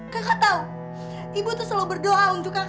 kakak tau ibu tuh selalu berdoa untuk kakak